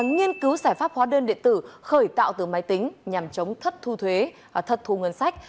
nghiên cứu giải pháp hóa đơn điện tử khởi tạo từ máy tính nhằm chống thất thu thuế thất thu ngân sách